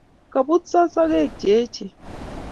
Kabutso sogek cheechen